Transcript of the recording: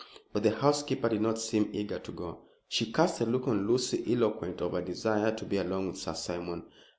But the housekeeper did not seem eager to go. She cast a look on Lucy eloquent of a desire to be alone with Sir Simon.